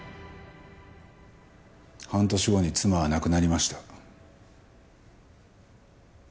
半年後に妻は亡くなりました。